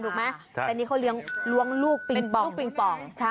แต่อันนี้เขาเรียงล้วงลูกปิงปอง